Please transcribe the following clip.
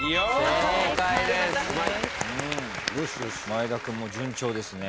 前田君も順調ですね。